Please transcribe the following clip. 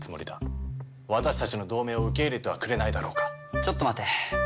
ちょっと待て。